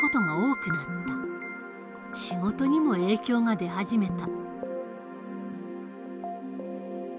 仕事にも影響が出始めた。